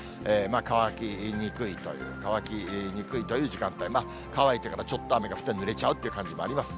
乾きにくいという、乾きにくいという時間帯、乾いてからちょっと雨が降ってぬれちゃうという感じもあります。